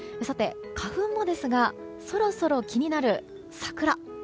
さて、花粉もですがそろそろ気になる桜。